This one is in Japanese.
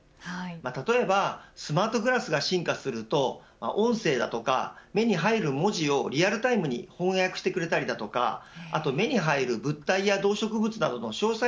例えばスマートグラスが進化すると音声や目に入る文字をリアルタイムに翻訳してくれたりとか目に入る物体や動植物などの詳細